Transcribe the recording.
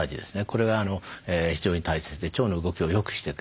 これは非常に大切で腸の動きをよくしてくれる。